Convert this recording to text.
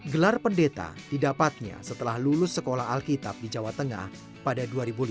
gelar pendeta didapatnya setelah lulus sekolah alkitab di jawa tengah pada dua ribu lima